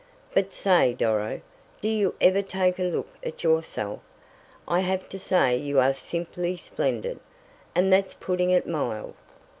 "But say, Doro, do you ever take a look at yourself? I have to say you are simply splendid, and that's putting it mild.